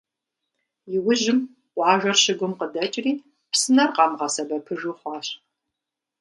Иужьым, къуажэр щыгум къыдэкӏри, псынэр къамыгъэсэбэпыж хъуащ.